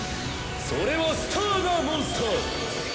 それはスターなモンスター！